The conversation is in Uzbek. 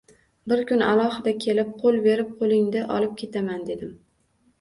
Bir kuni alohida kelib qo‘l berib, qo‘lingdi olib ketaman, dedim